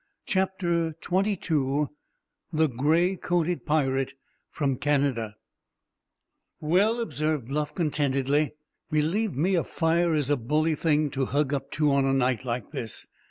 CHAPTER XXII THE GRAY COATED PIRATE FROM CANADA "Well," observed Bluff contentedly, "believe me, a fire is a bully thing to hug up to on a night like this.